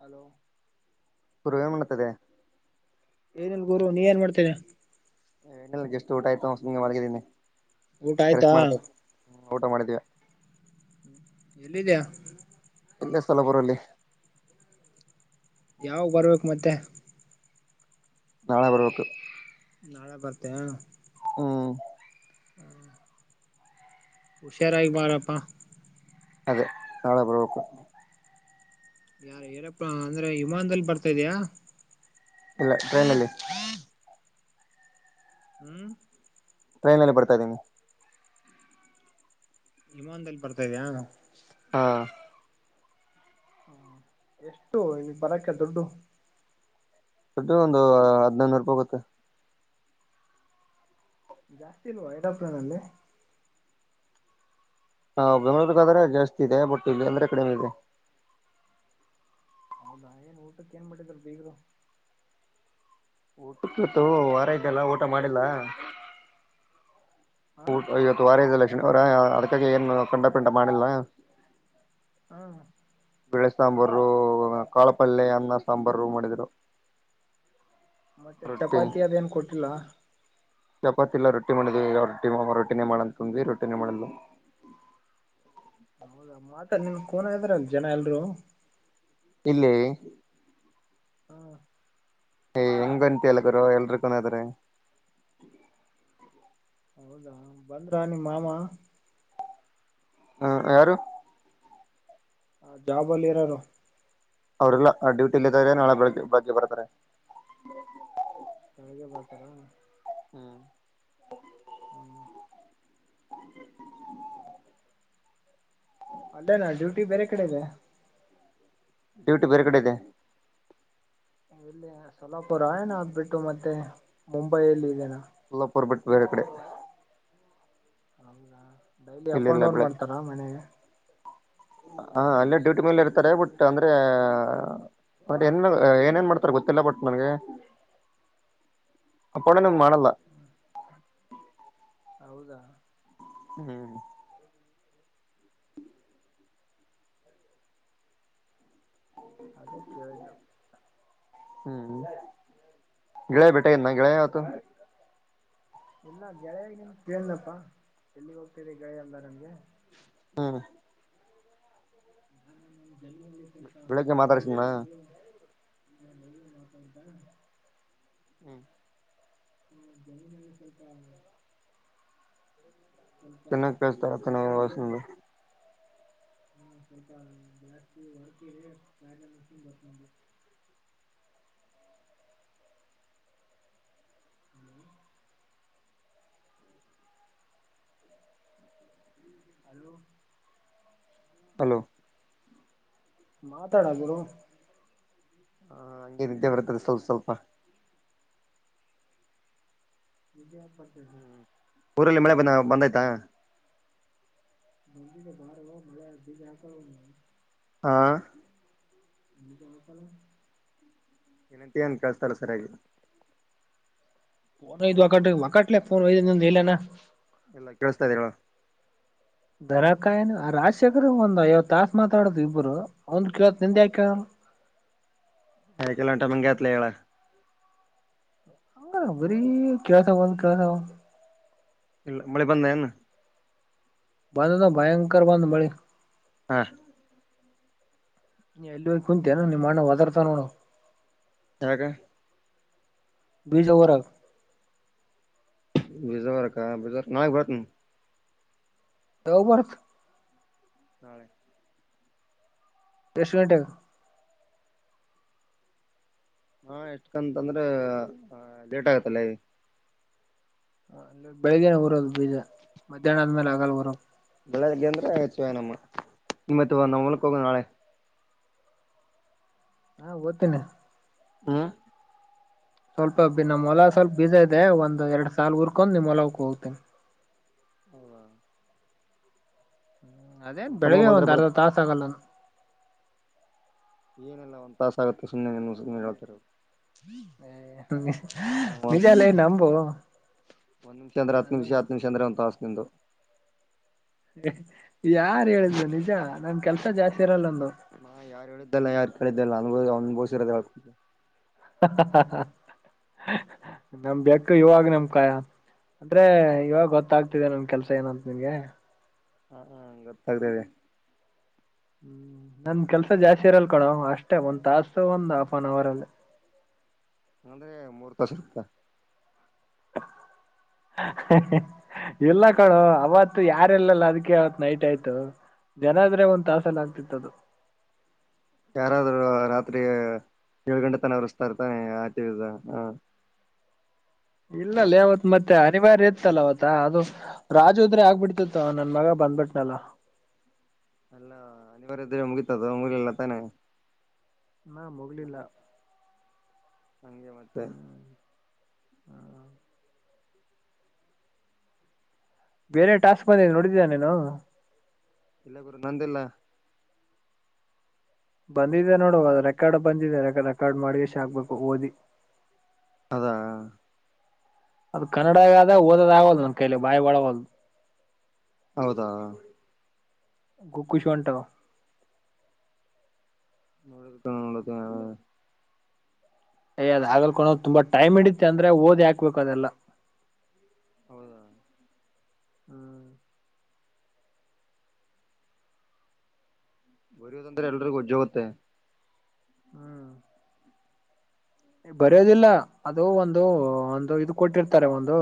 Hello ಪರ್ವೇ ಮಾಡತದೆ ಏನ ಗುರು ನೀ ಏನ್ ಮಾಡ್ತೇನೆ ಎ ಜಸ್ಟ್ ಊಟ ಆಯ್ತು ಸುಮ್ನೆ ಮಲ್ಗಿದಿನಿ ಊಟ ಆಯ್ತಾ ಊಟ ಮಾಡಿದ್ದೀವೆ [inaudible] ಎಲ್ಲಿದ್ಯಾ ಇಲ್ಲ ಸ್ಥಲಪುರಲ್ಲಿೇ ಯಾವ ಬರ್ಬೇಕು ಮತ್ತೆ ನಾಳೆ ಅವರಬೇಕಬೇಕು ನಾಳೆ ಬರ್ತೇ ಹ್ಮ್ ಹುಷಾರಾಗಿ ಬಾರಪ್ಪಾ ಅದೇ ನಾಳೆ ಬರಕ ಯಾರ ಏನಪ್ಪ ಅಂದ್ರೆ ವಿಮಾನದಲ್ಲಿ ಬರ್ತಾ ಇದ್ಯಾ ಇಲ್ಲ ಟ್ರೈನಲ್ಲಿ ಹ್ಮ್ ಟ್ರೈನ್ಲ್ಲಿ ಬರ್ತಾ ಇದ್ದೀಿ ಹಮಂದದಲ್ಲಿ ಬರ್ತಾ ಇದ್ಯಾ ಹಾ ಹ್ಮ್ ಎಷ್ಟು ಈ ಬರಕ್ಕೆ ದುಡ್ಡು ಸಟ ಒಂದು ಹದ್ಿನೈನೂರು ರೂಪಾಯಿೋಗುತ್ತೆ ಜಾಸ್ತಿಿನವಾ ಐಟಪ್್ರನಲ್ಲೇ ಹಾ ಬೆಂಗಳಳೂರ್ಗಾದ್ರೆ ಜಾಸ್ತಿ ಇದೆ ಬಟ್ ಇಲ್ಲಿ ಅಂದ್ರೆ ಕಡೆ ಇದೆ ಹೌದಾ ಏನ್ ಊಟಕ್ಕೆ ಏನ್ ಮಾಡಟ್ಟಿದರು ಬೀಗರು ಊಟ ಕತ್ತು ವಾರ ಇದತೆಲ್ಲ ಊಟ ಮಾಡಿಲ್ಲ ಹ ಊ ಇವತ್ತು ವಾರ ಇದ ಲಕ್ಷ್ಮಿ ಅವರ ಅದ್ಕಾಗಿ ಏನು ಕಂಡಪಿಠ ಮಾಡಿಲ್ಲ ಹ್ಮ ಬಿಳೆ ಸಾಂಬಾರ ಕಾಳಪಲ್ೆ ಅನ್ನ ಸಾಂಬಾರ ಮಾಡಿದ್ರು ಮತ್ತೆ ಚಪಾತಿ ಅದೇಏನು ಕೊಟ್ಟಿಲ್ಲ ಚಪಾತಿಲ್ಲ ರೊಟ್ಟಿ ಮಾಡಿದ್ವಿಾವ ರೊಟ್ಟಿ ರೊಟಿನೇ ಮಾಡಂತ ತಂದ್ವಿ ರೊಟಿನೇ ಮಾಡಲ್ [inaudible] ಮತ ನಿನ್ ಕೋನ ಇದಾರ ಜನ ಎಲ್ರು ಇಲ್ಲ ಹ್ಮ್ ಏಯ ಹೆಂಗಂತ ಎಲ್ಲ ಗರ ಎಲ್ರಿಕನಾದ್ರ ಹೌದಾ ಬಂದ್ರಾ ನಿಮ್ಮ ಮಾಮ ಹ ಯಾರು ಹ ಜಾಬ ಅಲ್ಲಿ ಇರಾರ ಅವ್ರಲ್ಲ ಡ್ಯೂಟಿ ಇಲ್ಲ ಇದಾವ್ರ ನಾಳೆ ಬೆಳಗ್ಗೆ ಬೆಳಗ್ಗೆ ಬರ್ತಾರೆ ನನಗೆ ಪತರ ಹ್ಮ್ ಹ ಅಡೇನಾ ಡ್ಯೂಟಿ ಬೇರೆ ಕಡೆ ಇದೆ. ಡ್ಯೂಟಿ ಬೇರೆ ಕಡೆ ಇದೆ. ಇಲ್ಲಿ ಸ್ವಲಪ ರಾಯಣ ಆಗ್ಬಿಟ್ಟು ಮತ್ತೆ ಮುಂಬೈಯಲ್ಲಿ ಇದೇನ. ಎಲ್ಲಾಪುರ್ ಬಿಟ್ ಬೇರೆ ಕಡೆ. ಹಂಗ ಡೈಲಿ ಅಪ್ ಇಲ್ಲಿಲ್ಲ ಅಂಡ್ ಡೌನ್ ಬೆಳಗ್ಗೆ ಮಾಡ್ತಾರ ಮನೆಗೆ. ಹ ಅಲ್ಲೇ ಡ್ಯೂಟಿ ಮೇಲ್ ಇರ್ತಾರೆ ಬಟ್ ಅಂದ್ರೆ. ಬಟ್ ಎನ್ನ ಏನೇಏನ್ ಮಾಡ್ತಾರ್ ಗೊತ್ತಿಲ್ಲ ಬಟ್ ನನ್ಗೆ. ಅಪ್ಪಡನ್ ಮಾಡಲ್ಲ. ಹೌದಾ ಹ್ಮ್ ಅದ ಕೇಳ್ದು ಹ್ಮ್ ಗಗೆಳೆಯ ಬೆೇಟನ್ನ ಗಗೆಳ ಆತು ಇಲ್ಲ ಗೆಳೆಯಾಗಿ ನಿಮ ಕೇಳನಪ್ಪಾ ಎಲ್ಲಿಗೆ ಹೋಗ್ತದೆ ಗೆಳೆಯ ಅಲ್ಲ ನಂಗೆ ಹ್ಮ್ ಜಮೀನಲ್ಲಿ ಬೆಳಿಗ್ಗೆ ಮಾತಾಡ್ಸಂಗ್ನಾ. ಹ್ಮ ಹೇಳ ನೌತಂಗ್ದ. ಹ್ಮ್ ಹ್ಮ ಜನ್ಗಳ್ ಸ್ವಲ್ಪ. ಸ್ವಲ್ಪ ಕೆನ್ನ ಕೆಸ್ತ ತನ ಕಾರ್ಯ ವಸಂದು. ಹ್ಮ ಸ್ವಲ್ಪ ಜಸ್ತಿ ವರ್ಕ್ ಇದೆ [unintelligible] [inaudible] ಅಲೋ ಹಲೋ ಮಾತಡ ಗುರು ಹಾ ಹಂಗೆ ನಿದ್ದೆ ಬರ್ತ್ತದೆ ಸ್ವಲ್ಪ್ ಸ್ವಲ್ಪ. ವಿಜ್ಯಪತ್ ತೆಡು. ಹ್ಮ್ ಊರಲ್ಲಿ ಮಳೆ ಬಂದ್ ಬಂದ್ಯ್ತಾ. ನೆಂದಿದೆ ಬಾರೋ ಮಳೆ ಬಿಜ ಹಾಕೋಳೊ. ಹಾ ಬೀಜ ಹಾಕಲ್ಲ. ಎನಂಟಿ ಅಂತ ಕಳ್ಸ್ತಾಲ್ ಸರ್ಯಾಗಿ. ಫೋನ್ ಇದ ಒಕ ಒಕಟ್ಲೆ ಫೋನ್ ಹೊಯ್ದ ಇಲ್ ಏನ. ಎಲ್ಲ ಕೇಳಸ್ತಾ ಇದೇವ. ದರಕಾಯನು ರಾಜಶೇಖರ್ ಒಂದ್ ಐವತ್ ತಾಸ ಮಾತಾಡುದು ಇಬ್ರು ಒಂದ್ ಕೇಳವತ್ ನಿಂದೆ ಯಾಕೇಳ. ಹಕೆಲ್ಲ ಉಂಟ ಮಂಗತ್ಲೇ ಹೇಳ. ಹ ಬರಿ ಕೇಳ್ಕ ಬಂದ್ ಕೇಳ್ದವ. ಇಲ್ಲ ಮಳೆ ಬಂದ ಏನ. ಬಂದದ ಭಯಂಕರ ಬಂದ್ ಮಳಿ. ಹಾ ನೀ ಎಲ್ಲಿ ಹೋಗ್ ಕುಂತನ ನಿಮ್ಮ ಅಣ್ಣ ಒದಾರ್ತ ನೋಡು. ಯಾಗ ಬೀಜವರಗ್ ಬಜವಾರಕ ಬಿಜಾರ ನಾಗ್ ಬರ್ತನ್. ಯಾವಾಗ್ ಬರ್ತ. ನಾಳೆ ಎಷ್ಟ ಗಂಟ್ಯಾಗ್. ಹಾ ಎಷ್ಟಕಂತಂದ್ರೆ ಲೇಟ್ ಆಗತ್ತಲ್ಲ ಈ. ಬೆಳಿಗ್ಗೆನೆ ಹೊರೋದು ಬೀಜ ಮಧ್ಯಾಹ್ನ ಆದ್ಮೇಲೆ ಆಗಲ್ಲ ಹೊರೋ. ಬೆಳಗ್ಗೆ ಅಂದ್ರೆ ಹೆಚ್ಚ ನಮ್ಮ ಇತ್ ನಮ್ ಹೊಲಕ್ ಹೋಗವ ನಾಳೆ. ಹಾ ಓದ್ತೀನೆ ಹ ಸ್ವಲ್ಪ ನಮ್ಮ ಮಲ ಸ್ವಲ್ಪ ಬೀಜ ಇದೆ ಒಂದ್ ಎರಡ್ ಸಲ್ ಉರ್ಕೊಂಡ್ ನಿಮ್ ಮಲಕ್ ಹೋಗ್ತೀನಿ ಹಾ ಹ್ಮ್ ಅದೇ ತಮ್ಮ ಬೆಳಿಗ್ಗೆ ಬಂದ್ರೆ ಒಂದ್ ಅರ್ಧ ಬರುತ್ ತಾಸ ಆಗಲ್ಲ ಏನೆಲ್ಲ ಒಂದ್ ತಾಸ ಆಗುತ್ತೆ ಸುಮ್ಮನೆ ಸು್ನೆ ಹೇಳ್ತಾರ ನಿಜಾಲ ನಂಬೋ ಒಂದ್ಮಿಷ ಅಂದ್ರ ಹ ನಿಮಿಷ ಹತ್ತು ನಿಮಿಷ ಅಂದ್ರ ಒಂತ ಆಸ್ ನಿಂದು ಯಾರ್ು ಹೇಳಿದ್ರು ನಿಜ ನನ್ ಕೆಲ್ಸ ಜಾಸ್ತಿ ಇರಲ್ಲೊಂದು ಹಾ ಯಾರು ಹೇಳಿದ್ದಲ್ಲ ಯಾರು ಕೇಳಿದ್ದಲ್ಲ ನ ಅವನ್ ಬೋಸಿರದ ನಮ ಬೆಕ್ಕ ಇವಾಗ ನಮ್ಕಾಯ ಅಂದ್ರೆ ಇವಾಗ ಗೊತ್ತಾಗ್ತಿದೆ ನನ್ ಕೆಲ್ಸ ಏನಂತ್ ನಿನ್ಗೆ. ಹಾ ಗೊತ್ತಾಗ್ತೆದೆ. ಹ್ಮ್ ನಂದ್ ಕೆಲ್ಸ ಜಾಸ್ತಿ ಇರಲ್ಕಡೋ ಅಷ್ಟೇ ಒಂದ್ ತಾಸ ಒಂದ್ ಆಫ್ ಆನ್ ಅವರ್ ಅಲ್ಲೆ. ಅಂದ್ರೆ ಮೂರ್ ತಸಟ್ಕ. [inaudible] [inaudible] ಇಲ್ಲ ಕಳು ಅವತ್ತು ಯಾರಲ್ಲಲ್ಲ ಅದಕ್ಕೆ ಅವತ್ ನೈಟ್ ಆಯ್ತು ಜನಾದ್ರೆ ಒಂದ್ ತಾಸಲ್ಲ ಆಗ್ತಿತ್ತ ಅದು ಯಾರಾದ್ರುೂ ರಾತ್ರಿ ಏಳು ಗಂಟೆ ತನ ಉ್ತಾ ಇರ್ತಾನೆ ಆತಿ ವಿಜ ಹ ಇಲ್ಲಲ್ಲ ಅವಾವತ್ ಮತ್ತೆ ಅನಿವಾರ್ಯ ಇತ್ತಲ್ಲ ಅವತ್ತ ಅದು ರಾಜುದ್ರೆ ಆಗ್ಬಿಡ್ತಿತ್ ನನ್ ಮಗ ಬಂದ್ಬಟ್ಟನೆಲ್ಲ ಅಲ್ಲ ಅನಿವಾರಿದ್ರೆ ಮುಗಿತದ ಮುಗಲ್ಲ ತಾನೆ ನಾ ಮುೋಗಲಿಲ್ಲ ಹಂಗೆ ಮತ್ತೆ ಹ್ಮ ಬೇರೆ ಟಾಸ್ಕ್ ಬಂದಿದ್ದ ನೋಡಿದ್ದ ನೀನು ಇಲ್ಲ ಗುರು ನಂದಿಲ್ಲ ಬಂದಿದೆ ನೋಡುವ ರೆಕಾರ್ಡ್ ಬಂದಿದೆ ರೆಕಾರ್ಡ್ ಮಾಡಿ ಎಷ್ಟ ಹಕ್ಬೇಕು ಓದಿ ಅದಾ ಅದು ಕನ್ನಡಗ ಆದ ಓದದ ಆಗದು ನನ್ ಕೈಲಿ ಬಾಯಿ ಬಳಗದು ಹೌದಾ ಗುಕ್ಕು ಚು ಅಂಟವು ನೋಡಿತ ನದ ಅಯ್ಯ ಅದ ಆ ಹಾಗಲ್ಕೊಂಡ್ ತುಂಬಾ ಟೈಮ್ ಇಿಡತ್ತೆ ಅಂದ್ರೆ ಓದ್ ಹಾಕ್ಬೇಕು ಅದೆಲ್ಲಾ ಹೌದಾ ಹ್ಮ್ ಬರಯೋದಂದ್ರೆ ಎಲ್ರಿಗೂ ಒಜ್ಜೋಗುತ್ತೆ ಹ್ಮ್ ಬರೋದಿಲ್ಲ ಅದು ಒಂದು ಒಂದು ಇದು ಕೊಟ್ಟಿರ್ತಾರೆ ಒಂದು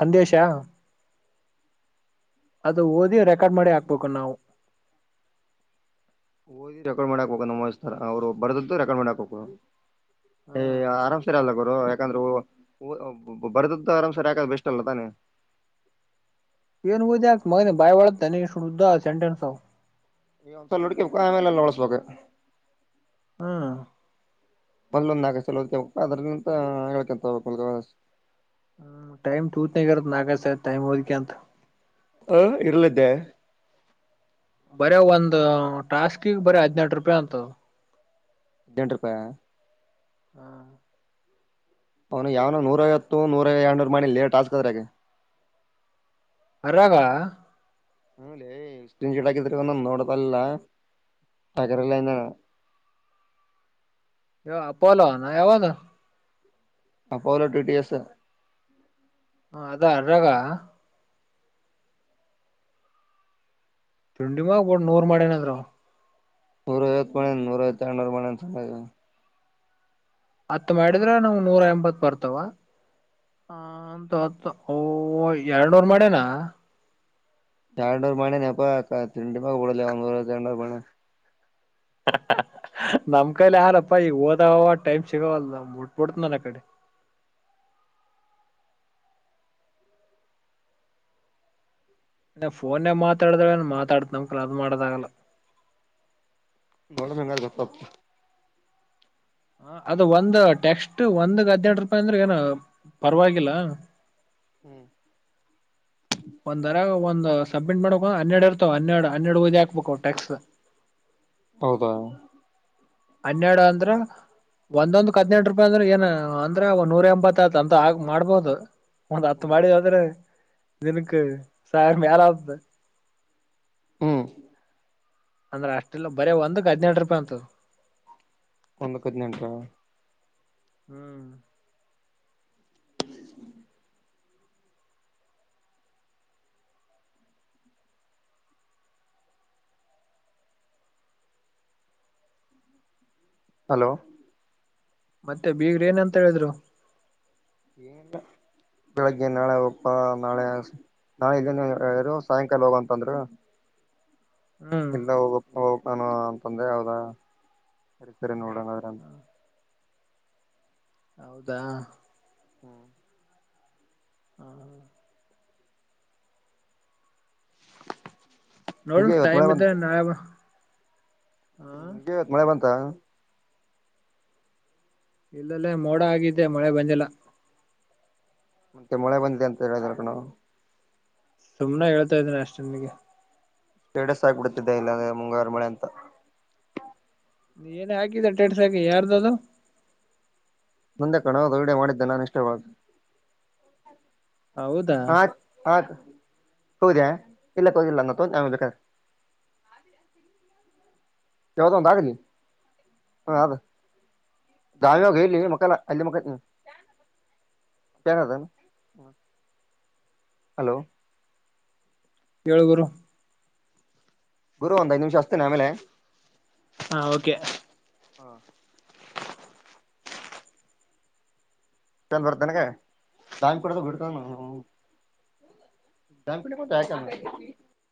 ಸಂದೇಶ ಅದು ಓದಿ ರೆಕಾರ್ಡ್ ಮಾಡಿ ಹಾಕ್ಬೇಕು ನಾವು ಓದಿ ರೆಕಾರ್ಡ್ ಮಾಡಕ್ ಹಬೇಕು ನಮ್ಮಸ್ತರ ಅವ್ರು ಬರ್ದದ್ದು ರೆಕಾರ್ಡ್ ಮಾಡಾಕ್ ಹರು ಏ ಹ್ಮ್ ಆರಾಮ್ಸರ ಅಲ್ಲ ಯಾಕಂದ್ರೆ ಬರದದ್ದು ಆರಾಮ್ ಸರಿ ಯಾಕ ಬೆಷ್ಟ ಅಲ್ಲ ತಾನೆ ಮ ಬಾಯ ಒಳ ಸೆಂಟೆನ್ಸ್ ಹ ನೀ ಒಂದಸಲ ಹುಡ್ಕಿಬೇಕ ಆಮೇಲೆ ಎಲ್ಲ ಉಳಸ್ಬೇಕು ಹ್ಮ್ ಬದ್ಲೊಂದು ಆಾಗಲೋದ ಅದ್ರಿಂತ ಹೇಳೇಳ್ಕಂತ ಹೋಗಬೇಕ ಹ್ಮ್ ಟೈಮ್ ತೂತನ [unintelligible] ನಕ ಟೈಮ್ ಹದಕ್ಕೆ ಅಂತ ಹಹ ಇರ್ಲಿದ್ದೆ ಬರ ಒಂದ್ ಟಾಸ್ಕಗ್ ಬರ ಹದ್ನಂಟ ರೂಪಾಯಿ ಅಂತದ. ಹದಿನೆಂಟು ರೂಪಾಯಿ ಹ್ಮ ಅವನು ಯಾವನ ನೂರವತ್ತು ನೂರ ಹಂಡ ಮಾಡಿ ಲೇ ಟಾಸ್ಕ್ ಅದ್ರೆಗೆ. ಅರಾಗ ಅಂಗಲೆ ಇಷ್ಟನ್ ಚೀಡಾಕಿ ಬಂದ ಅಂದೋ ತಲ್ಲಲ್ಲ. ತಗರಲ್ಲಂದ. ಅಪೋಲ ಯಾವನು ಅಪಲೋ ಟಿ ಟಿ ಎಸ್ ಹ ಅದ ಅರಾಗ ತಿಂಡಿ ಮಾಗಬೋಡ್ ನೂರ್ ಮಾಡ ನಾದ್ರು ನೂರೋ ಇ ಬ ನೂರೋ ಚ ನರ ಬಣ ಹತ್ ಮಾಡಿದ್ರೆ ನಾವು ನೂರ ಎಂಬತ್ ಬರ್ತಾವ ಹ ಅಂತ ಅತ್ತು ಎರಡವರ್ ಮಾಡ್ಯನಾ. ತಾರೊಂಡೂರು ಮಾನ ಅಪ್ಪ ತಿಂಡಿಮ ಕೂಡಲ ಒಂದ ತರೊಂಡರ ಮಾನ. ಹ ಹ ನಮ್ ಕೈಲಿ ಅಗಲಪ ಈಗ ಹ ಓದವ ಟೈಮ್ ಸಿಗಾವಲ್ಲ ಮುಟ್ಬಡ್ತ ನನ್ ಆ ಕಡೆ. [unintelligible] ಇ ಫೋನ್ ಮಾತಾಡದ್ರ ಮಾತಾಡ ನಮ್ಕ ಅದು್ ಮಾಡದಾಗಲ್ಲ. [unintelligible] ಹ ಅದು ಒಂದ್ ಟೆಸ್ಟ್ ಒಂದ ಹದ್ನೆಂಟ ರೂಪಾಯಿ ಅಂದ್ರೆ ಏನ ಪರವಾಗಿಲ್ಲ. ಹ್ಮ್ ಒಂದ್ರ ಒಂದ ಸಬ್ಮಿಟ್ ಮಾಡಬೇಕಕ್ ಹನ್ನೆರಡ್ ಇರ್ತಾವ ಹನ್ನೆರಡು ಹನ್ನೆರಡು ಓದಿ ಹಾಕ್ಬೇಕು ಟ್ಯಾಕ್ಸ್. ಹೌದಾ ಹನ್ನೆರಡು ಅಂದ್ರ. ಒಂದೊಂದು ಹದ್ನೆಂಟ ರೂಪಾಯಿ ಅಂದ್ರೆ ಏನ್ ಅಂದ್ರೆ ಒ ನೂರ ಎಂಬತ್ತತ್ ಅಂತ ಆ ಮಾಡ್ಬೋದು. ಒಂದ್ ಹತ್ ಹ್ಮ್ ಮಾಡಿ ಹದ್ರೆ ದಿನಕ್ಕೆ ಸಾವಿರ ಮ್ಯಾಲ ಆತದ. ಹ್ಮ್ ಅಂದ್ರೆ ಅಷ್ಟಲ್ಲ ಬರೀ ಒಂದಕ್ ಹದ್ನೆನೆಟ ರೂಪಾಯಿ ಅಂತದ. ಒಂದುಕ ಹದಿನೆಂಟ. ಹ್ಮ್ ಹ್ಮ ಹಲೋ ಮತ್ತೆ ಬೀಗರು ಏನ್ ಅಂತ ಹೇಳಿದ್ರು ಏ ಬೆಳಗ್ಗೆ ನಾಳೆ ಒಪ್ಪಾ ನಾಳೆ. ನಾಳ ಇಲ್ಲೇನೆರು ಸಾಯಂಕಾಲ ಹೋಗಂತಂದ್ರ. ಹ್ಮ್ ಇಲ್ಲ ಹೋಗಪ್ಪ ಹೋಗಾನ ಅಂತಂದೆ ಯಾವದ ಕರಿತರಿ ನೋಡೋಣಾದ್ರ ಅಂತ ಹೌದಾ ಹ್ಮ್ [unintelligible] ಹಾ ನೋಡು ನಿಗೆ ಇವತ್ ಮಳೆ ಟೈಮ್ ಇದೇ ಬಂತ ನಾಳೆ ಬಾ. ಹಾ ತ್ತ ಇಲ್ಲಲ್ಲೇ ಮೋಡ ಆಗಿದ್ದೆ ಮಳೆ ಬಂದಿಲ್ಲ. ಮತ್ತೆ ಮಳೆ ಬಂದಿದೆ ಅಂತ ಹೇಳಿದಾರ ಕಣಾ. ಸುಮ್ನೆ ಹೇಳ್ತಾ ಇದ್ದೀನ ಅಷ್ಟ ನಿನ್ಗೆ. ಸ್ಟೇಟಸ್ ಹಾಕ್ಬಿಟ್ಟಿದ್ದೆ ಇಲ್ಲಾಂದ್ರೆ ಮುಂಗಾರ ಮಳೆ ಅಂತ. ಏನ್ ಹಾಕಿದೆ ಸ್ಟೇಟಸ್ ಯಾರ್ದ ಅದು. ನಂದೆ ಕಣೋ ವಿಡಿಯೋ ಮಾಡಿದ್ದೆ ನಾನು ಇಷ್ಟವಾದು. ಹೌದಾ ಆತ್ ಆತ್ ಹೌದ ಇಲ್ಲ ಕೋಗದಿಲ್ಲ ಅ ತ ಬ ಯಾವುದೋ ಒಂದಾಗ್ಲಿ ಹದ ಗಾಳಿಯಲ್ಲಿ ಇಲ್ಲಿ ಮಲಿಕೊಳ್ಳಲ್ಲ ಅಲ್ಲಿ ಮಲಿಕೊಂತೀನಿ ಯಾರದು ಹಲೋ ಹೇಳ್ಗುರು ಗುರು ಒಂದ್ ಐದ್ ನಿಮಿಷ ಅಷ್ಟತೇನೆ ಆಮೇಲೆ ಹಾ ಓಕೆ ಹಾ ಚಂದ ಬರ್ತೇನೆ ಕ ದಾಮಿ ಕಡ ಬಿಡ್ತ [unintelligible] ಮತ ಆಕ [inaudible]